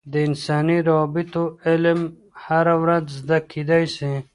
د انساني روابطو علم هره ورځ زده کیدلای سي.